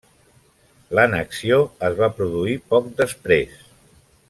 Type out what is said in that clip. L'annexió es va produir poc després.